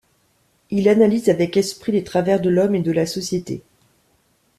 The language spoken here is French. Il analyse avec esprit les travers de l'homme et de la société.